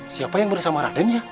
siapa yang bersama raden ya